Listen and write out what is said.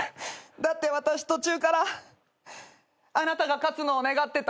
だって私途中からあなたが勝つのを願ってた。